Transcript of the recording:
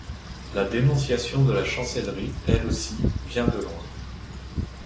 La dénonciation de la Chancellerie, elle aussi, vient de loin.